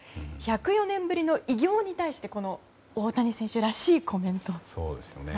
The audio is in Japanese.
１０４年ぶりの偉業に対してこの大谷選手らしいコメント。